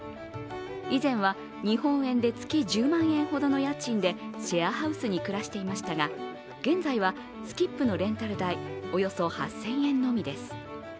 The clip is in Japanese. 以前は日本円で月１０万円ほどの家賃でシェアハウスに暮らしていましたが、現在は、スキップのレンタル代およそ８０００円のみです。